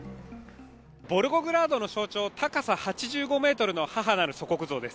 ボルゴグラードの象徴、高さ８５ｍの母なる祖国像です。